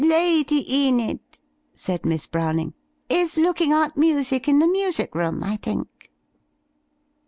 "Lady Enid," said Miss Browning, "is looking out music in the music room, I think."